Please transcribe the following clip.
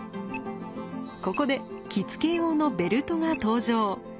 ここで着付け用のベルトが登場。